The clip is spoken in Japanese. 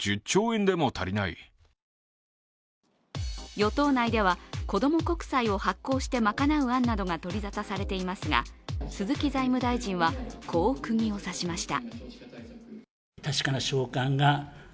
与党内では、子ども国債を発行して賄う案などが取りざたされていますが、鈴木財務大臣はこうクギを刺しました。